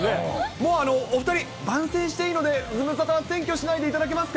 もうお２人、番宣していいので、ズムサタは占拠しないでいただけますか。